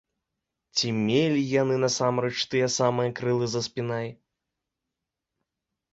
Ці мелі яны насамрэч тыя самыя крылы за спінай?